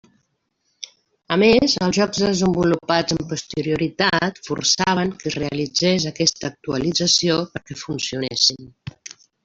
A més, els jocs desenvolupats amb posterioritat forçaven que es realitzés aquesta actualització perquè funcionessin.